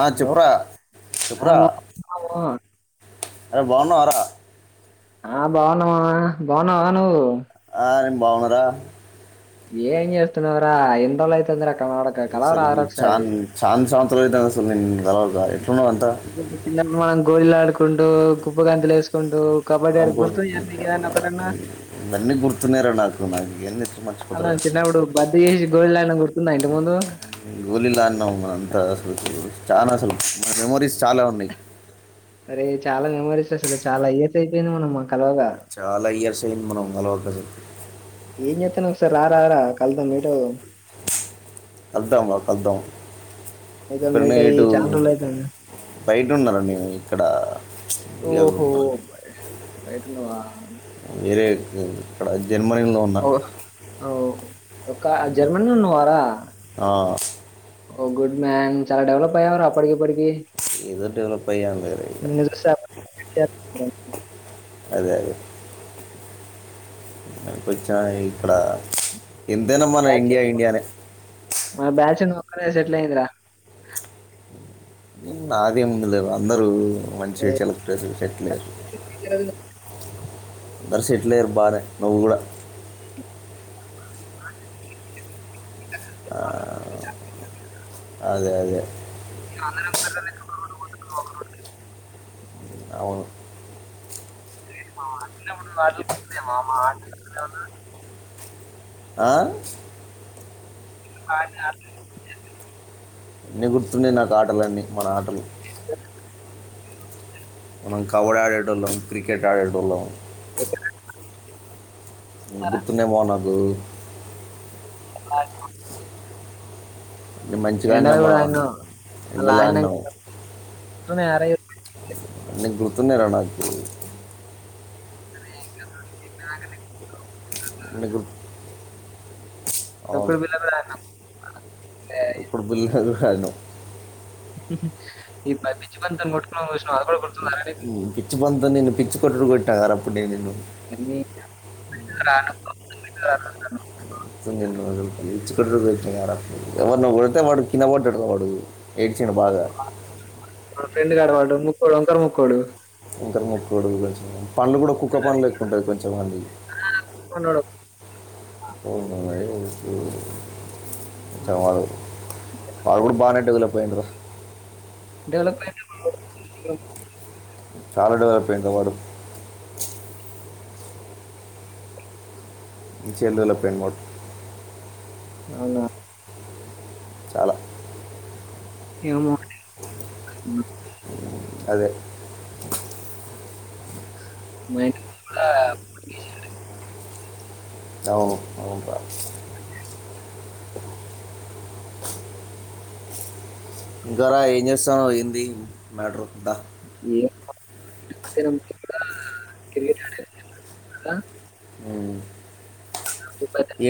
ఆ హలో చెప్పురా ఆ చెప్పురా మా అరే బాగున్నవారా ఆ బాగున్న మావ బాగున్నవా నువ్వు ఆ నేన్ బాగున్నరా ఏం చేస్తున్నవ్రా ఎన్రోజులైతుంది రా ఎసలు చాం చా సంవ త్సరాలు అయితాంది అసలు నేన్ నిన్ను చిన్నప్పుడు మనం గోలీలాడుకు కుంటు కుప్పగంతులు ఏసుకుంటూ ఆబ ఇవన్నీ గుర్తున్నయిరా నాకు నాకు ఇయ్యన్ని ఎట్ల అలా మర్చిపోతరా, చిన్నప్పుడు బద్ది చేసి గోళీలాడిన గుర్తుందా ఇంటి ముందు గోలీలాడినం. అంత అసలు చాన అసలు మా మెమరీస్ చాలా ఉన్నయి అరే చాలా మెమరీస్ అసలు చాలా ఇయర్స్ అయిపోయింది మనమ్ చాల ఇయర్స్ యింది మనం కలవకనే ఏం చేత్తానవ్ ఒకసారి రారా కలు కళ్దాం రా కళ్దాం నీతోని ఇక్కడున్న మీట్ అయ్యి ఏటూ చానా రోజులు అయితుంది బయటున్నరా నేను ఇక్కడ ఓహో బయ- బయట ఉన్నవా వేర్ ఊ ఇక్కడ జర్మనీలో ఉన్న ఓ ఓహో! ఒక జర్మనీలో ఉన్నవారా ఆ ఓగుడ్ మ్యాన్ చాలా డెవలప్ అయ్యావ్ రా ఫ్రీబడీ కి ఏదో డెవలప్ అయ్యాం లేదు ఇక నిన్ను చూస్తే అపర్ కి అదే అదే కొచ్చం ఇక్కడ ఎంతైన మన బ్యాచ్ ఇండియా ఇండియానే అక్కడే సెట్లయ్యేది రా నాదేముంది లే అందరూ మంచిగా ఏ చల చెట్లేదు అందరు సెట్లయ్యారు బానే నువ్వు కూడా ఆ అదే అదే అందరం అవును అన్న కూడా ఆటలుతులేమమ్ ఆట ఆ ఆ కాని అన్ని గుర్తున్నాయి నాకు ఆటలన్నీ మన ఆటలు టనే మనం కబడ్డీ ఆడేటోళ్ళం క్రికెట్ ఆడేటోళ్ళం ఎక్కడ్ గుర్తున్నా బాగుండు క్యా క అన్నీ మంచిగా ఎండల ఆడినాం కూడ మనం ఆన్నము మళ్ళా ఎండలో ఆడినాం అన్నంకా అన్నీ గుర్తున్నాయిర నాకు సరే మీకు తొక్కుడు బిళ్ళ కూడ ఆడినం ఎందుకు ఆడను ఇ పంచివ మోట్ పిచ్చు బంత నను పిచ్చు కాంక్రీటు కొట్టగర పడేను నీ సు ఇచ్చ క ఎవ ఉళ్తే మడు కినబటిడద వాడుగు చేంజ్ కనవడ్డుంది పొలంకాడ ముక్కుండు ఇంకా ముగ్గురు కలిసిల్లా పండ్లు కూడా కుక్క పను లేక్కుంటుంది కొంచెం వాంది ఉన్నాడు. వాళ్ళు నాకు తెలిసి రారు వాళ్ కూడా బాగానే డెవలప్ అయిండ్రా డెవలప్మెంట్ [unintelligible] చాలా డెవలప్ అయింద వాడు చ్చెందులే ప్రమోట్ అవునా చాలా ఏమో ఆ అదే మరిట్టా అవును అవును రా జరా ఏం జేస్సన్నావ్ ఏంది మ్యాటరుందా ఏరిగిద అ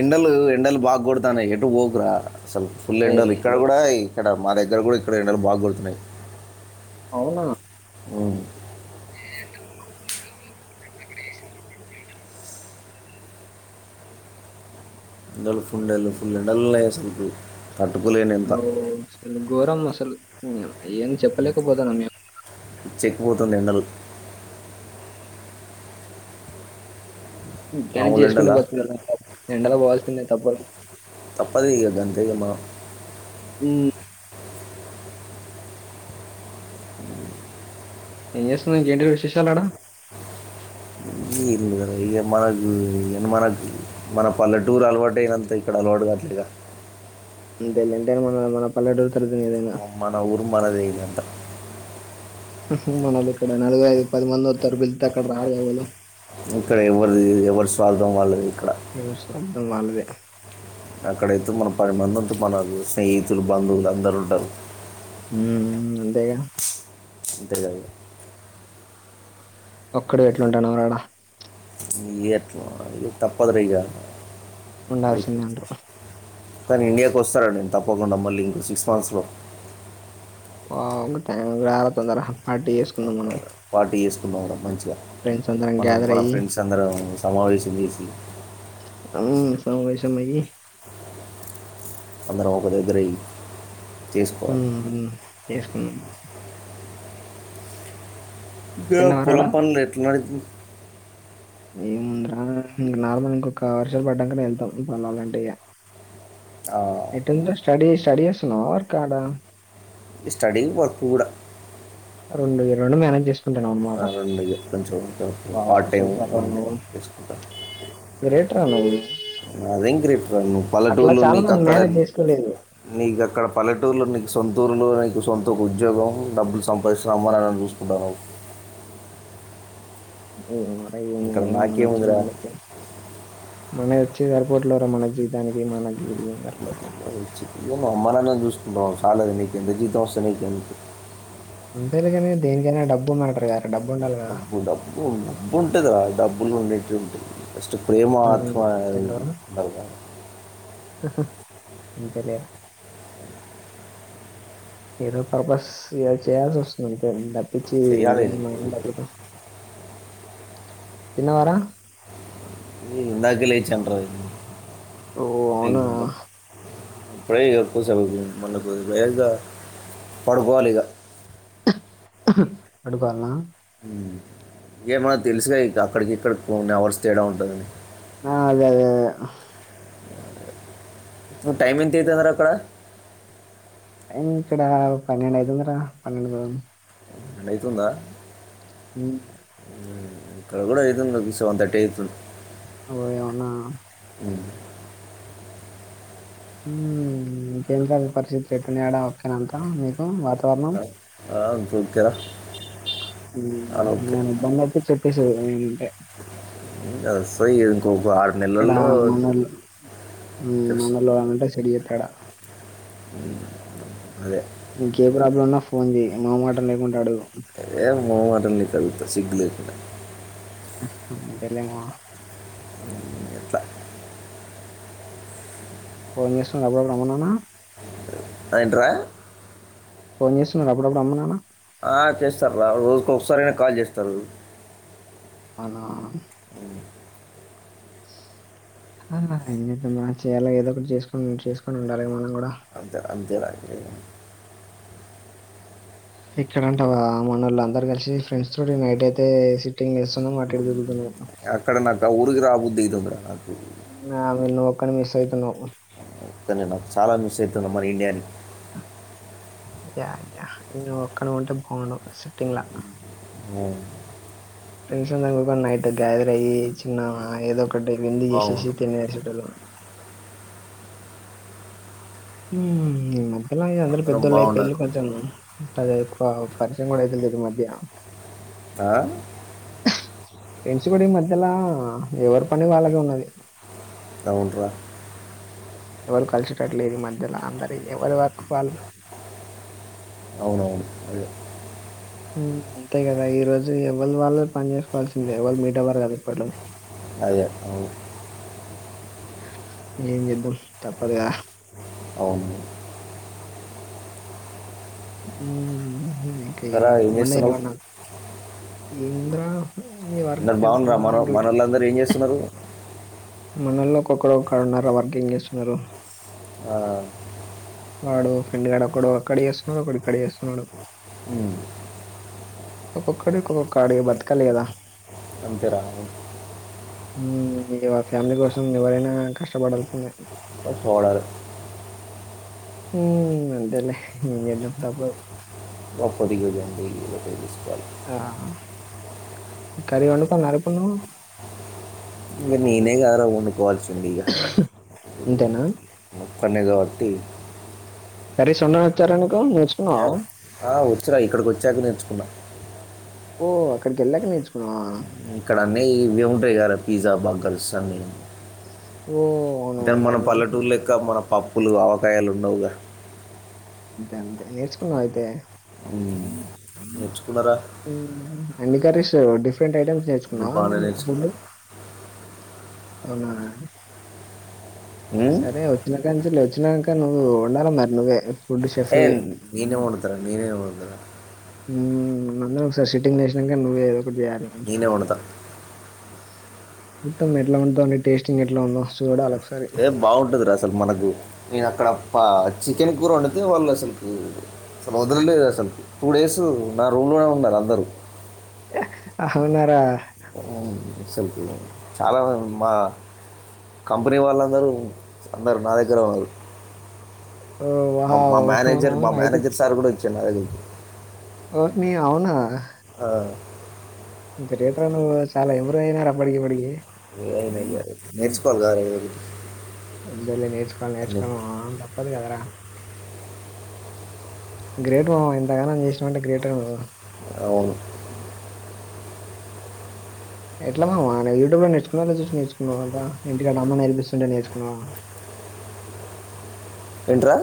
ఎండలు ఎండలు వాడతాన ఎటు పోగురా స ఫుల్ ఎండోలు ఏయ్! ఇక్కడ కూడా ఇక్కడ మా దగ్గర కూడా ఇక్కడ ఎండలు బాగ కొడుతున్నాయి అవునా అవు [unintelligible] ఎండలు ఫుల్లుండా ఫుల్ డాయసలుకు ఓసలు గోరం మసలు ఇ్య ఏం చెప్పలేకపోతునా మేము చెక్కుపోతుంది ఎండలు ఇంకా మామూలు చేసుకుంటే ఎండలా బతుకుడ ఎండలా పోవాల్సిందే తప్ప తప్పదు ఇక అంతే ఇక మనం అ ఏం చేస్తుంది ఇంకేంటి విశేషాలడా ఏ ఇ మనకు మనకు మన పల్లెటూరు అలవాటు అయినంత ఇక్కడ అలవాటు కావట్లేగా అంతే మన మన పల్లె ఉ మన ఊరు మనదేదంట ఉ హూ మనలు ఇక్కడ నలభై ఐదు పది మంది వతారు పిలితే అక్కడ రాలె ఎవరు. ఇక్కడ ఎవ్వరిది ఎవరి స్వార్థం వాళ్ళది ఇక ఎవరు స్వార్థం వాళ్ళదే అక్కడైతే మనం పది మంది ఉంటు మన స్నేహితులు, బంధువులు అందరూ ఉంటారు. ఊ అంతేగా ఇద్దరుగా ఒక్కడు ఎట్లుంటాను రాడ ఏట్ల తప్పదు రగా ఉండాల్సిందేంట కానీ ఇండియాకి వస్తానండి, నేను తప్పకుండా మళ్ళీ ఇంకో సిక్స్ మంత్స్లో. వాఅంగు టైమ్ కీ ర రా తొందర పార్టీ చేసుకుందాం మనం ప్లోరా పంచ్ ఫ్రెండ్స్ అందరం మనం గ్యాదర్ మన అయ్యి ఫ్రెండ్స్ అందరం సమావేశం చేసి అం వైశమ్ అయి అందరం ఒక దగ్గర అయి ఉమ్ చేసుకున్నాం ఇక్కడ పొలం తిన్నవారాడా పనులు ఎట్లాన్నాయి ఏ ముందరా ఇంక నార్మల్ ఇంకొక వర్షాలు పడ్డాక వెళ్తాం పొలాలంటే ఆ, ఎట్టుందిరా స్టడీస్ రెడీ చేస్తున్నావా వర్క్ కాడా ఈ స్టడీ వర్క్ కూడా ఉండు ఇ రెండు మేనేజ్ చేసుకో పదండి ఇంక చూద్దాం. పార్ట్ వావ్ టైమ్ సూపర్ రా నువ్వు చేసుకొంటా గ్రేట్ రా నువ్వు అదేం గ్రేట్ రా నువ్వు అట్లా పలెటూర్లో చాలా నీకు మంది అక్కడ మేనేజ్ చేసుకోలేదు నీకు అక్కడపలెటూర్లో నీకు సొంతఊరులో నీకు సొంత ఉద్యోగం డబ్బు సంపాదించినా అమ్మనాన్న ని చూసుకుంటావు నువ్వు. ఏం మరి ఏం ఇక్కడ ఏం నాకేం ఉందర మన వచ్చి సర్పోట్లరా మన జీతానికి మనకి ఇది ఏం సరిపోతుంది వచ్చి అమ్మానాన్నని చూసుకో ఇంకా చాలదు నీకు ఎంత జీతం వస్తది నీకు ఇంక అంతేలే కాని దేనికైనా డబ్బు మ్యాటర్ గా డబ్బు డబ్బు డబ్బు ఉంటద డబ్బులు ఉం నట్ ఉంటది ఫస్ట్ ప్రేమ ఆత్మ అంతేలే రెండు బర్గ అంతేలే ఏదో పర్పస్ ఏదో చేయాల్సి వస్తుంది అంతే ద ఇచ్చి చేయాలి ఏం ఏదో మైండ్ ఒకటి. పాతుపా తిన్నవారా హ్మ్ ఇందకే లేచను రా ఓ అవునా ఇంగ రెయ్ ఎక్కువ సద్వకు ఇక పడుకోవాలి ఇక పడుకోవాలన్నా ఇక మనకీ తెలుసుగా ఇక అక్కడికి ఇక్కడికి కొని హవర్స్ తేడా ఉంటుందని ఆ అదే అదే అదే టైమ్ ఎంత అయితంది ర అక్కడ టైమ్ ఇక్కడ పన్నెండు అయితుంది రా పన్నెండు పన్నెండు అయితుంద హ్మ్ ఇక్కడ కూడా అయితుంది ఒక సెవెన్ థర్టీ అయితువుంది ఓయ్ అవునా అ [unintelligible] హ్మ్ ఇంకేంటి పరిస్థితులు ఎట్ల ఉనాయి ఆడ ఓకేనంతా మీ హ్మ్ వాతావరణం ఆ, ఇంకా ఓకేరా ఆ, ఓకే ఏమైనా ఇబ్బంది అయితే చెప్పేసే ఏమినుంటే పో [inaudible] అక్కడ మనోలు వచ్చేస్తా మనోలు ఎవరైనా ఉంటే సెట్ చెయ్యి అక్కడ అదే నికి ఏ ప్రాబ్లమ్ ఉన్నా ఫోన్ చెయి మొహమాటం లేకుండు అడుగు ఏమి మొహమాటం నితో సిగ్గులేకుండా హమ్ము అంతేలే మామ ఎట్లా ఫోన్ చేస్తుండు అపుడు అపుడు రమన్నానా ఎంట్ర ఫోన్ చేస్తున్నారు అప్పుడప్పుడు అమ్మ నాన్న ఆ చేస్తా ర రోజు ఒకసారైనా కాల్ చేస్తారు అవునా ఏం చేద్దాం చేయాల ఏదో ఒకటి చేసుకని చేసుకొని ఉండాలి మనం కూడా అంత ర అంతే రా ఇక్కడంటవా మనోళ్లు అందరు కలిసి ఫ్రెండ్స్ తో టి నైట్ అయితే సి సిటింగ్ ఎస్తున్నాం అటు ఇటు తిరుగుతున్నామ్ అక్కడ నాకు ఉరికి ర బుద్ధి అయితంది రా న్యాను నిన్ను ఒకని మిస్ అయితునా అప్ప కానీ నాకు చాలా మిస్ అయితున మన ఇండియాని యా యా నువ్వు ఒక్కనవి ఉంటే బాగుండు తినా హ్మ్ నైట్ గ్యాదర్ అయ్యి చిన్న ఏదో ఒకటి వింది చేసేసి బాగుండు తినేసేటోలు హ్మ్ మ్మ్ ఎలా ఇగ అందరు అందరం పెద్దోళ్ళు అయిపోయిళ్ళు బాగుండాలి కొంచెం ఎక్కువ పరిచయం కూడా అయితేలేరు ఈ మధ్య ఆ ఫ్రెండ్స్ కూడా ఈ మధ్యల ఎవరి పని వాళ్ళకే ఉన్నది అవున్రా ఎవరు కలిసేటట్లు లేరు ఈ మధ్యల అందరి ఎవరి వర్క్ వాళ్ళదే అవునవును అదే మ్మ్ అంతే కదా ఈ రోజు ఎవల్ది వాళ్ళు పని చేసుకోవాల్సిందే ఎ వాళ్ళు మీట్ అవ్వరు కదా ఇప్పట్లో అదే అవును ఏం చేద్దాం తప్పదిగా అవును హ్మ్ భూమికే సరే ఏం చేస్తున్నావు [unintelligible] ఏ ముందిరా అందరు బాగున్నర్ర మన మనోళ్ళందరూ ఏం చేస్తున్నారు ఎవరు ఆ వాడు ఫ్రెండ్ గాడు ఒక్కడు అక్కడ చేస్తున్నాడు ఒకడు ఇక్కడ చేస్తున్నాడు హ్మ్ ఒక్కొక్కడు ఒక్కొక్క కాడికి బతకాలి కదా అంతేరా హ్మ్, ఇగ ఫ్యామిలీ కోసం ఎవరైనా కష్టపడాల్సిందే చూడాలి హ్మ్ అంతేలే ఎం చేద్దాం తప్పదు [unintelligible] ఆ కర్రీ వండుకున్నారా ఇప్పుడు నువ్వు ఇంకా నేనే కదరా వండుకోవాలి ఇంతేనా ఫనిజవతి అర స్వన్నాణ హచ్చారను ఆ వచ్చురా ఇక్కడికి వచ్చాక నేర్చుకున్నా ఓ అక్కడికి వెళ్ళాక నేర్చుకున్నావా పిగరే పిజ్జా బర్గర్ల్స్ అన్ని ఓ అంటే అవునవును మన కదా పల్లెటూరు లెక్క మన పప్ప్ పులు అవకాయాలుండవుగా అంతే అంతే నేర్చుకున్నావ్ అయితే నేర్చుకున్నారా మ్మ్ అన్ని కర్రీస్ డిఫ్ డిఫరెంట్ ఐటమ్స్ అన్ని నేర్చుకున్నావా బాగానే నేర్చుకున్నా ఫుడ్ అవునా ఉమ్? సరే వచ్చినకంచెలి వచ్చినాక్క హు ఉండాలి మరి నువ్వే ఫుడ్ షెఫ్వి ఏన్ నినే వండుతారా నినే వండు అ ఉ అందరు ఒక సారి సిట్టింగ్ చేసినక్కానే నువ్వే జార నేనే వండుతా సత్తం ఎట్లాఉంటుంది టేస్టింగ్ ఎట్లా ఉందొ ఏ బాగుంటదిరా అసలు మనకు నేను అక్కడ పా వచ్చి చక్కెన్ కూూర వండితే వాళ్ళు అసలుకి అసలు వదలలేదు అసలుకి టూ డేస్ నా రూలునే ఉన్నారు అందరూ అవునారా హు అసలుకి చాలా మంది మా కంపెనీ వాళ్ళందరూ అందర నా దగ్గర ఉన్నారు ఓహ్! మా మా వావ్! మేనేజర్ మా మేనేజర్ సార్ కూడా చిన్నది ఓరిని అవునా ఆ, ఇంత గ్రేట్ రా నువ్వు చాలా ఎంప్రూవ్ అయినరు అప్పటికి ఇప్పటికి ఏ నేర్చుకోవాలి కదరా జల్ది నేర్చుకోవాలి నేర్చుకోవలి మామ తప్పదు కదరా గ్రేట్ మామ ఎంతగానం చేసినవు అంటే గ్రేట్ ట్ అవును ఎట్ల మామ యూట్యూబ్ లో నేర్చుకున్నావా చూసి నేర్చుకున్నా ఇంటి కాడ అమ్మ నేర్పిస్తుందా టనేచుకున్నావా ఇంట్రా